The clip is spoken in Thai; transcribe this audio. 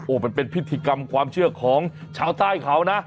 มันเป็นพิธีกรรมความเชื่อของชาวใต้เขานะ